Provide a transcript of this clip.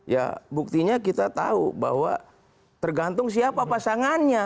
ya buktinya kita tahu bahwa tergantung siapa pasangannya